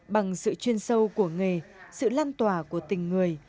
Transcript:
bằng sự chuyên sâu của nghề sự lan tỏa của tình người